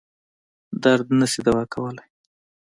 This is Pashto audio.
درد نه شي دوا کولای.